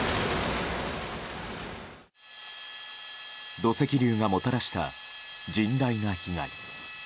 土石流がもたらした甚大な被害。